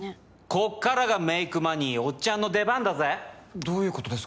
こっからがメイクマニーおっちゃんの出番だぜどういうことですか？